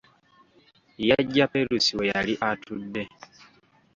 Yaggya Perusi we yali atudde.